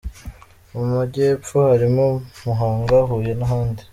Mu majyepfo harimo: Muhanga, Huye n’ahandi.